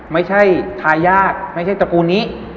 ไม่ใช่ทายาทไม่ใช่ตระกูลนี้